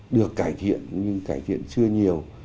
được cải thiện nhưng cải thiện chưa nhiều